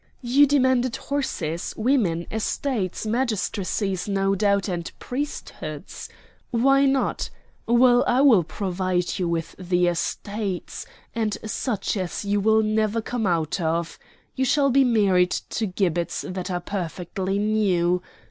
"You demanded horses, women, estates, magistracies, no doubt, and priesthoods! Why not? Well, I will provide you with the estates, and such as you will never come out of! You shall be married to gibbets that are perfectly new!